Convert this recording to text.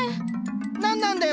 何なんだよ